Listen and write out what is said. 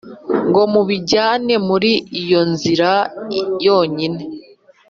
ngo mubijyane muri iyo nzira yonyine.